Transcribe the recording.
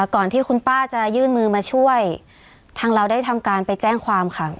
ก่อนที่คุณป้าจะยื่นมือมาช่วยทางเราได้ทำการไปแจ้งความค่ะ